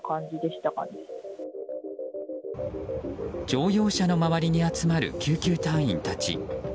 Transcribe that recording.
乗用車の周りに集まる救急隊員たち。